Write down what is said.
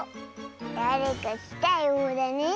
だれかきたようだね。